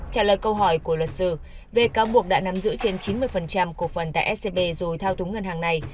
trả lời câu hỏi của luật sư về cáo buộc đã nắm giữ trên chín mươi cổ phần tại scb rồi thao túng ngân hàng này